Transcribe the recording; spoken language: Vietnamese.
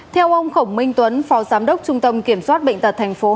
theo ông khổng minh tuấn phó giám đốc trung tâm kiểm soát bệnh tật tp hà nội